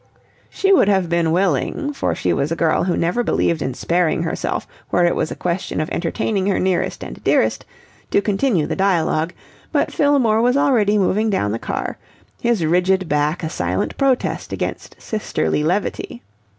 She would have been willing, for she was a girl who never believed in sparing herself where it was a question of entertaining her nearest and dearest, to continue the dialogue, but Fillmore was already moving down the car, his rigid back a silent protest against sisterly levity.